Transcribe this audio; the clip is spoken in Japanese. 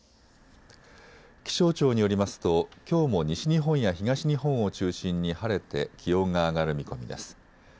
気象庁によりますときょうも西日本や東日本を中心に晴れて気温が上がる見込みです。